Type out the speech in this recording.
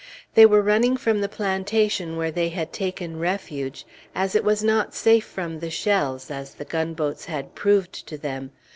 They were running from the plantation where they had taken refuge, as it was not safe from the shells, as the gunboats had proved to them.